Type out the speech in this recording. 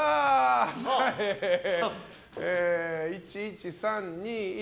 １、１、３、２、１。